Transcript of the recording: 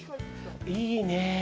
いいね。